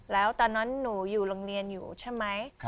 แล้วตอนนั้นหนูอยู่โรงเรียนอยู่ใช่ไหม